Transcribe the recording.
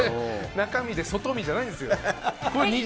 中身で外身じゃないんですよ。